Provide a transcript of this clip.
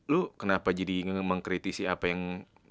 lu kenapa jadi mengkritisi apa yang